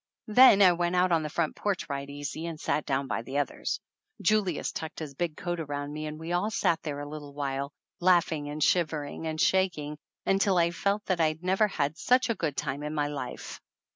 Then I went out on the front porch right easy and sat down by the others. Julius tucked his big coat around me and we all sat there a little while, laughing and shivering and shaking until I felt that I'd never had such a good time in my life!